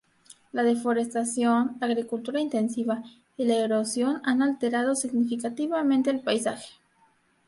La deforestación, la agricultura intensiva y la erosión han alterado significativamente el paisaje.